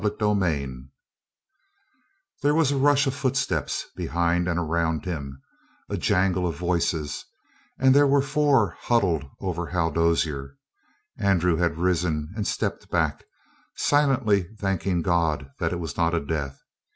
CHAPTER 38 There was a rush of footsteps behind and around him, a jangle of voices, and there were the four huddled over Hal Dozier. Andrew had risen and stepped back, silently thanking God that it was not a death.